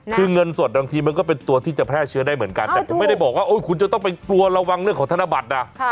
คือเงินสดบางทีมันก็เป็นตัวที่จะแพร่เชื้อได้เหมือนกันแต่ผมไม่ได้บอกว่าคุณจะต้องไปกลัวระวังเรื่องของธนบัตรนะ